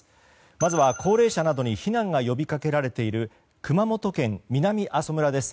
まずは高齢者などに避難が呼びかけられている熊本県南阿蘇村です。